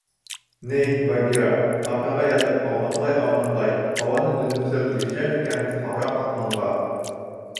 Ней, Багира, арҡаға ятып аунаҡлай-аунаҡлай... һауаны дөмбәҫләү килешә микән ҡара ҡапланға?